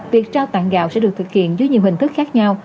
việc trao tặng gạo sẽ được thực hiện dưới nhiều hình thức khác nhau